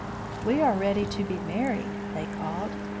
"We are ready to be married," they called.